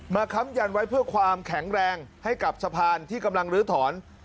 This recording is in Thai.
ค้ำยันไว้เพื่อความแข็งแรงให้กับสะพานที่กำลังลื้อถอน